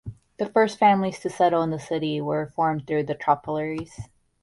The first families to settle in the city were formed through the Tropeiros.